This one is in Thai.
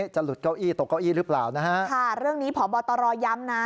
จะหลุดเก้าอี้ตกเก้าอี้หรือเปล่านะฮะค่ะเรื่องนี้พบตรย้ำนะ